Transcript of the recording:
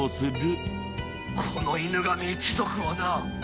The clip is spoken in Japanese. この犬神一族をな。